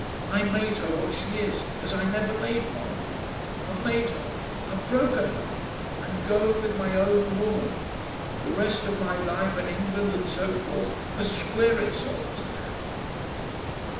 I made her what she is as I never made Margaret. I've made her I've broken her.... I'm going with my own woman. The rest of my life and England, and so forth, must square itself to that...."